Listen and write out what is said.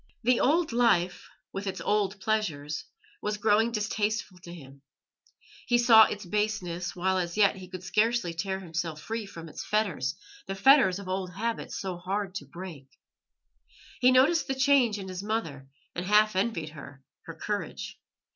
The old life, with its old pleasures, was growing distasteful to him; he saw its baseness while as yet he could scarcely tear himself free from its fetters the fetters of old habit so hard to break. He noticed the change in his mother, and half envied her her courage.